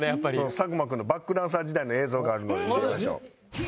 佐久間君のバックダンサー時代の映像があるので見ましょう。